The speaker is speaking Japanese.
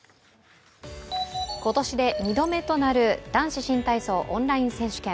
今年で２度目となる男子新体操オンライン選手権。